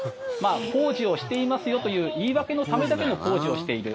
工事をしていますよという言い訳のためだけの工事をしている。